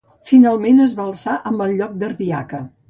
Finalment es va alçar amb el lloc d'ardiaca.